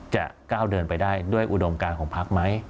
จะก้าวเดินไปได้ด้วยอุดมการของพักไหม